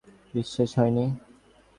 বিশ্বাস হয় নি?